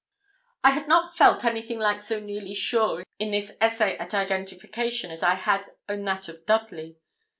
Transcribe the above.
I had not felt anything like so nearly sure in this essay at identification as I had in that of Dudley.